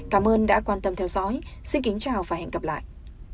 cảm ơn đã quan tâm theo dõi xin kính chào và hẹn gặp lại